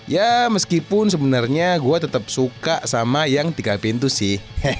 ya meskipun sebenarnya gue tetap suka sama yang tiga pintu sih